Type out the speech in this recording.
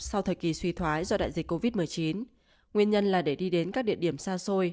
sau thời kỳ suy thoái do đại dịch covid một mươi chín nguyên nhân là để đi đến các địa điểm xa xôi